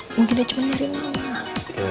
mungkin dia cuma nyari mama